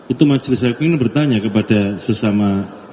itu majelis hakim ini bertanya kepada sesama